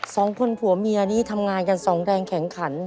สองคนผัวเมียนี้ทำงานกันสองแรงแข็งขัน